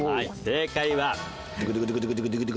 正解は。